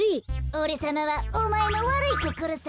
おれさまはおまえのわるいこころさ。